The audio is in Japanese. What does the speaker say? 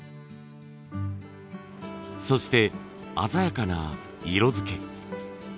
そして鮮やかな色づけ。